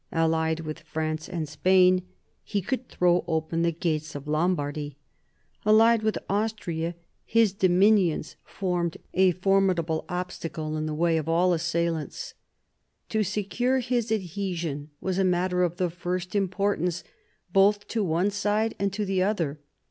Allied with France and Spain, he could throw open the gates of Lombardy; allied with Austria, his dominions formed a formidable obstacle in 26 MARIA THERESA chap, n the way of all assailants. To secure his adhesion was a matter of the first importance both to one side and to the other.